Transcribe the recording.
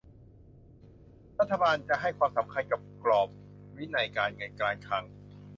รัฐบาลจะให้ความสำคัญกับกรอบวินัยการเงินการคลัง